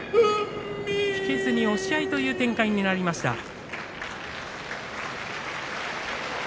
押し合いという展開になりました。